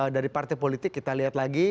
dari partai politik kita lihat lagi